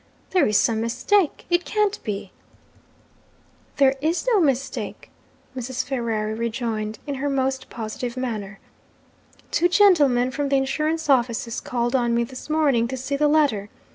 'There is some mistake it can't be!' 'There is no mistake,' Mrs. Ferrari rejoined, in her most positive manner. 'Two gentlemen from the insurance offices called on me this morning, to see the letter.